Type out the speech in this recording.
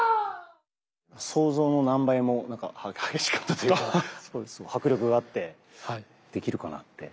想像の何倍も激しかったというか迫力があってできるかなって。